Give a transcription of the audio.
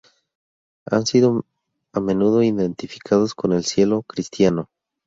Han sido a menudo identificados con el Cielo cristiano.